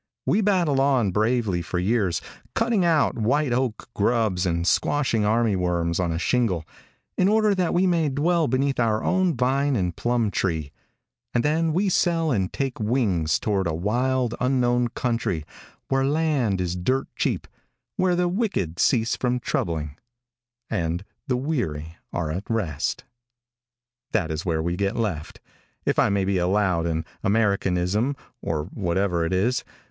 We battle on bravely for years, cutting out white oak grubs, and squashing army worms on a shingle, in order that we may dwell beneath our own vine and plum tree, and then we sell and take wings toward a wild, unknown country, where land is dirt cheap, where the wicked cease from troubling and the weary are at rest. That is where we get left, if I may be allowed an Americanism, or whatever it is.